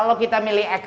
kalau kita memilih